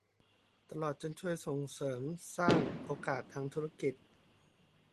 ตลอดจนช่วยเสริมสร้างโอกาสทางธุรกิจ